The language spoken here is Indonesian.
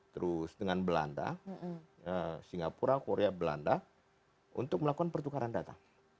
terus dengan belanda singapura korea belanda untuk melakukan pertukaran data